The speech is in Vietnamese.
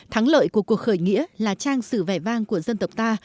thắng lợi của cuộc khởi nghĩa là trang sử vẻ vang của dân tộc ta